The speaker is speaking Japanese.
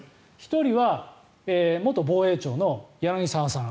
１人は元防衛庁の柳澤さん。